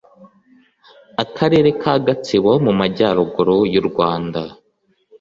Akarere ka Gatsibo mu majyaruguru yurwanda